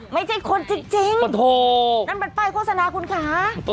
ไม่ใช่คนจริงนั่นมันป้ายโฆษณาคุณคะ